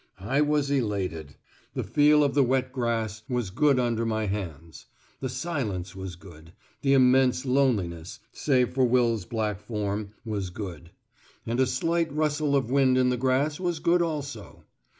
I was elated. The feel of the wet grass was good under my hands; the silence was good; the immense loneliness, save for Will's black form, was good; and a slight rustle of wind in the grass was good also.